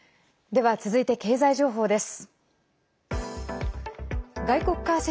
では、続いて経済情報です。